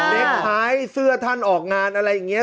เนคไทยเสื้อท่านออกงานอะไรอย่างเงี้ย